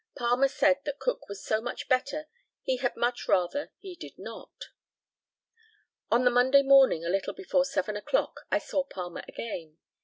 Palmer said, that Cook was so much better he had much rather he did not. On the Monday morning, a little before seven o'clock, I saw Palmer again.